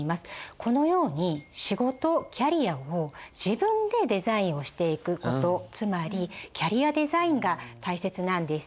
このように仕事キャリアを自分でデザインをしていくことつまりキャリアデザインが大切なんです。